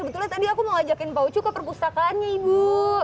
sebetulnya tadi aku mau ngajakin pak ucu ke perpustakaannya ibu